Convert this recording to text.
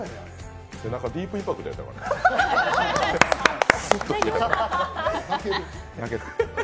ディープ・インパクトやった武豊。